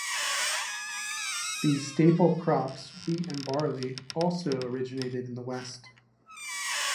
The staple crops, wheat and barley, also originated in the west.